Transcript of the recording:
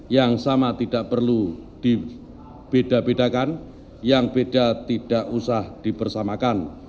yang sama tidak perlu dibeda bedakan yang beda tidak usah dipersamakan